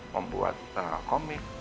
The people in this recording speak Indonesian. membuat komik membuat film